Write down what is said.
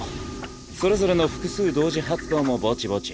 それぞれの複数同時発動もぼちぼち。